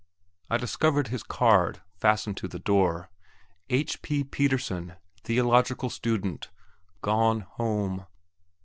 I discovered his card fastened to the door "H. P. Pettersen, Theological Student, 'gone home.'"